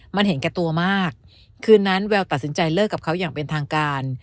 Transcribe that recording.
มันเห็นแก่ตัวมากคืนนั้นแววตัดสินใจเลิกกับเขาอย่างเป็นทางการ